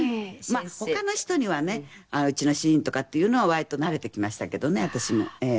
他の人にはね「うちの主人」とかって言うのは割と慣れてきましたけどね私もええ。